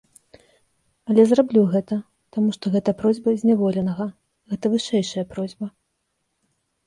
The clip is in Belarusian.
Але зраблю гэта, таму што гэта просьба зняволенага, гэта вышэйшая просьба.